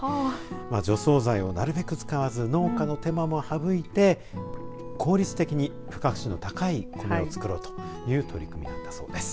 除草剤を、なるべく使わず農家の手間もはぶいて効率的に付加価値の高い米を作ろうという取り組みだそうです。